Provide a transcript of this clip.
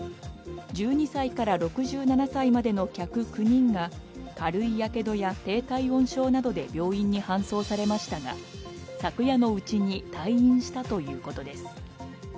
１２歳から６７歳までの客９人が軽いやけどや低体温症などで病院に搬送されましたが昨夜のうちに退院したということです。